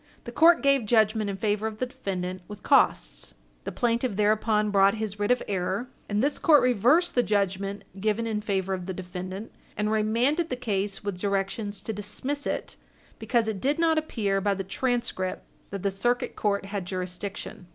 The court gave judgment in favor of the defendant with costs. The plaintiff thereupon brought his writ of error, and this court reversed the judgment given in favor of the defendant and remanded the case with directions to dismiss it because it did not appear by the transcript that the Circuit Court had jurisdiction.